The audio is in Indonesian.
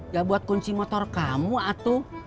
ya buat kunci motor kamu atu